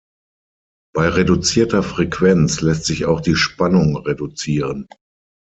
Bei reduzierter Frequenz lässt sich auch die Spannung reduzieren.